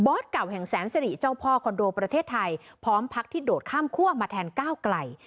เก่าแห่งแสนสิริเจ้าพ่อคอนโดประเทศไทยพร้อมพักที่โดดข้ามคั่วมาแทนก้าวไกล